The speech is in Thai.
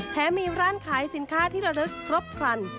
แม้มีร้านขายสินค้าที่ระลึกครบครัน